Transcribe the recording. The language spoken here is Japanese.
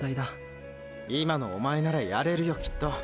今のおまえならやれるよきっと。